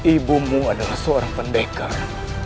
ibumu adalah seorang pendekar